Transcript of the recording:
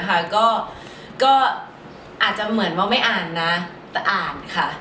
อาจจะเป็นมว่าไม่อ่านแต่อ่านค่ะ